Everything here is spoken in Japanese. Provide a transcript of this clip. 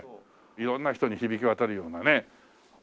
色んな人に響き渡るようなね。